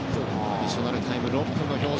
アディショナルタイム６分。